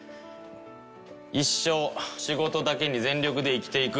一生仕事だけに全力で生きて行く。